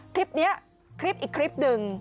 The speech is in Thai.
คลิปนี้คลิปอีกคลิปหนึ่ง